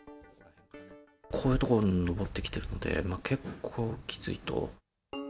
こういう所を登ってきてるので、結構きついと。